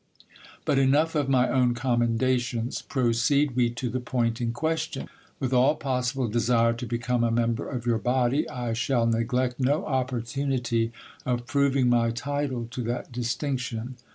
But enough of my own commendations ; proceed we to the point in question. With all possible desire to become a member of your body, I shall neglect no oppor tunity of proving my title to that distinction.